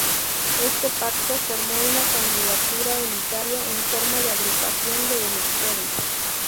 Este pacto formó una candidatura unitaria en forma de agrupación de electores.